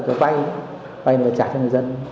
và vay vay là trả cho người dân